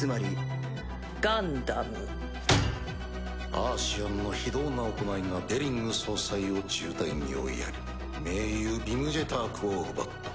アーシアンの非道な行いがデリング総裁を重体に追いやり盟友ヴィム・ジェタークを奪った。